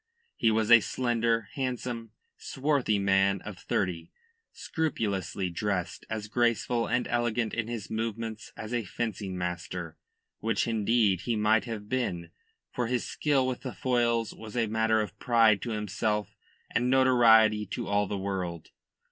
He was a slender, handsome, swarthy man of thirty, scrupulously dressed, as graceful and elegant in his movements as a fencing master, which indeed he might have been; for his skill with the foils was a matter of pride to himself and notoriety to all the world.